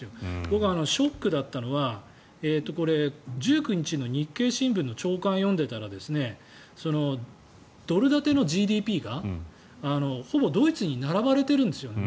僕、ショックだったのは１９日の日経新聞の朝刊を読んでいたらドル建てのＧＤＰが、ほぼドイツに並ばれてるんですね。